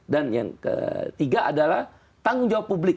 dan yang ketiga adalah tanggung jawab publik